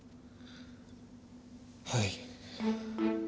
はい。